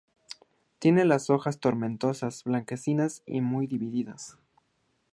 Tiene las hojas tomentosas, blanquecinas y muy divididas.